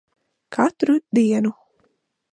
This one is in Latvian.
Katru dienu.